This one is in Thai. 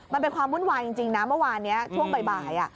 มันเป็นความวุ่นวายจริงนะเมื่อวานนี้ช่วงบ่าย